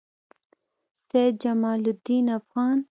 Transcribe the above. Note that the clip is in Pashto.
سعید جمالدین افغان